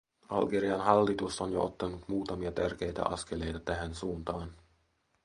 Algerian hallitus on jo ottanut muutamia tärkeitä askeleita tähän suuntaan.